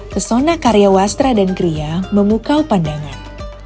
persona karya wastra dan kria memukau pandangan